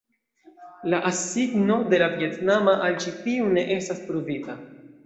La asigno de la vjetnama al ĉi tiu ne estas pruvita.